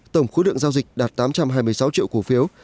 tổng khối lượng giao dịch đạt tám trăm hai mươi sáu triệu cổ phiếu